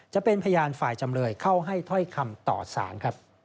จะเป็นพยานฝ่ายจำเลยเข้าให้ถ้อยคำต่อสารครับ